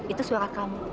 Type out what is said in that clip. itu suara kamu